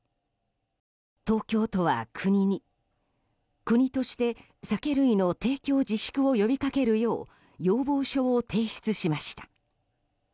東京都は国に国として酒類の提供自粛を呼びかけるよう要望書を提出しました。